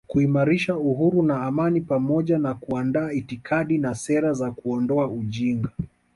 kuimarisha uhuru na amani pamoja na kuandaa itikadi na sera za kuondoa ujinga